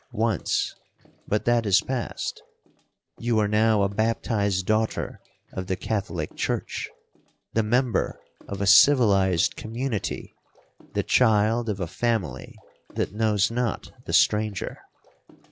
Once—but that is past.—You are now a baptized daughter of the Catholic church,—the member of a civilized community,—the child of a family that knows not the stranger.